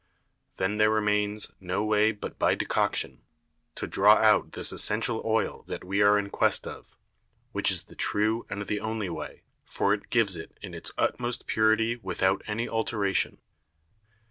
There then remains no way but by Decoction, to draw out this essential Oil that we are in quest of, which is the true and the only way, for it gives it in its utmost Purity without any Alteration.